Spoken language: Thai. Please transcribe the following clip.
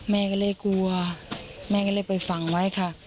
แม่ก็เลยกลัวแม่ก็เลยไปฝังไว้ค่ะ